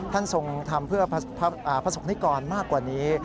ท่านทรงทำเพื่อพระศกนิกรมากกว่านี้